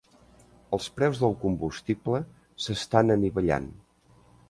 Els preus del combustible s'estan anivellant.